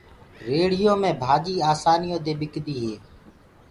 ريڙهيو مي ڀآڃيٚ آسآنيٚ يو دي ٻڪديٚ هي۔